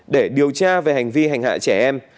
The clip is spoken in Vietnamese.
để điều tra về hành vi hành hạ trẻ em